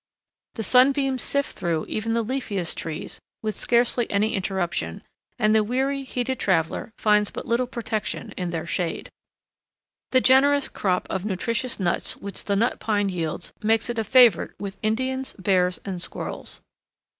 The sunbeams sift through even the leafiest trees with scarcely any interruption, and the weary, heated traveler finds but little protection in their shade. [Illustration: THE NUT PINE (Pinus Sabiniana)] The generous crop of nutritious nuts which the Nut Pine yields makes it a favorite with Indians, bears, and squirrels.